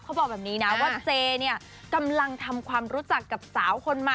เขาบอกแบบนี้นะว่าเจเนี่ยกำลังทำความรู้จักกับสาวคนใหม่